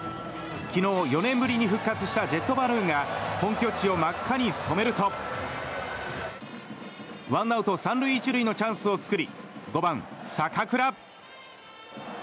昨日、４年ぶりに復活したジェットバルーンが本拠地を真っ赤に染めるとワンアウト３塁１塁のチャンスを作り５番、坂倉。